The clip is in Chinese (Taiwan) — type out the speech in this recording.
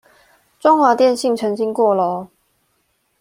中華電信澄清過囉